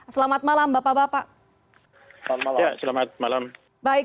selamat malam bapak bapak